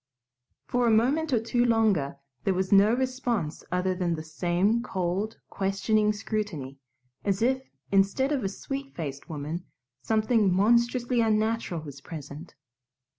For a moment or two longer there was no response other than the same cold, questioning scrutiny, as if, instead of a sweet faced woman, something monstrously unnatural was present.